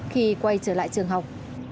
khi quay trở lại trường học